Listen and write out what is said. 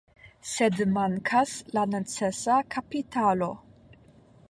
Sed mankas la necesa kapitalo.